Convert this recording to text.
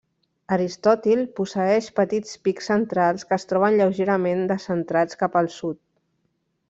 Aristòtil posseeix petits pics centrals que es troben lleugerament descentrats cap al sud.